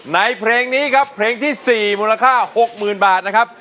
เพลงนี้ครับเพลงที่๔มูลค่า๖๐๐๐บาทนะครับ